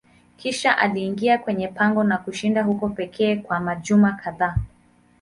Kisha aliingia kwenye pango na kushinda huko pekee kwa majuma kadhaa.